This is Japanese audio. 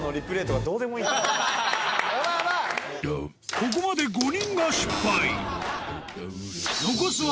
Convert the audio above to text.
［ここまで５人が失敗］